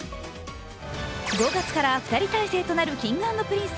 ５月から２人体制となるＫｉｎｇ＆Ｐｒｉｎｃｅ。